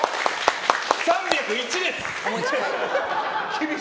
３０１です。